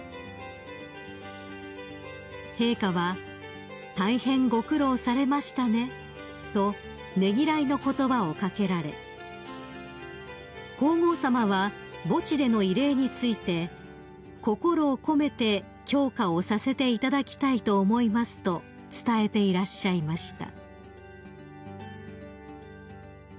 ［陛下は「大変ご苦労されましたね」とねぎらいの言葉を掛けられ皇后さまは墓地での慰霊について「心を込めて供花をさせていただきたいと思います」と伝えていらっしゃいました］